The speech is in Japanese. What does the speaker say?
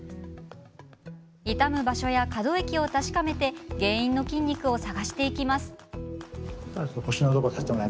痛む場所や可動域を確かめて原因の筋肉を探していきます。